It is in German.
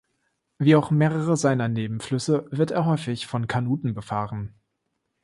Wie auch mehrere seiner Nebenflüsse wird er häufig von Kanuten befahren.